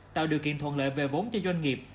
tạo điều kiện thuận lợi về vốn cho doanh nghiệp